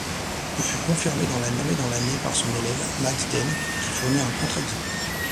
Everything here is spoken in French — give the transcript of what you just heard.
Ce fut confirmé dans l'année par son élève, Max Dehn, qui fournit un contre-exemple.